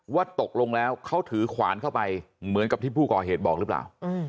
ว่าตกลงแล้วเขาถือขวานเข้าไปเหมือนกับที่ผู้ก่อเหตุบอกหรือเปล่า